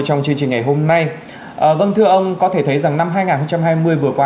trong chương trình ngày hôm nay vâng thưa ông có thể thấy rằng năm hai nghìn hai mươi vừa qua